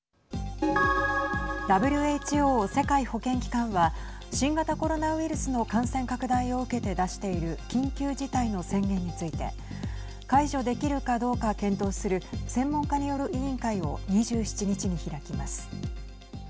ＷＨＯ＝世界保健機関は新型コロナウイルスの感染拡大を受けて出している緊急事態の宣言について解除できるかどうか検討する専門家による委員会を２７日に開きます。